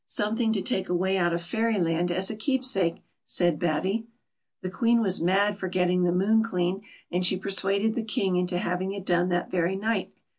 " Something to take away out of Fairyland as a keep sake," said Batty. The Queen was mad for getting the moon cleaned, and she persuaded the King into having it done that very night.